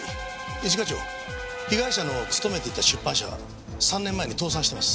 一課長被害者の勤めていた出版社は３年前に倒産してます。